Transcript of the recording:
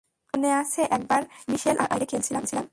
মনে আছে একবার মিশেল আর আমি বাইরে খেলছিলাম।